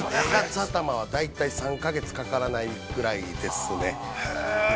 大体３か月かからないぐらいですね。